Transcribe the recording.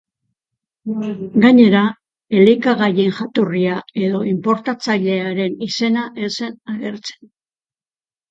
Gainera, elikagaien jatorria edo inportatzailearen izena ez zen agertzen.